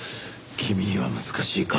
君には難しいか。